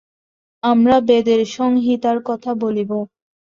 আমরা বেদের সংহিতার কথা বলিব।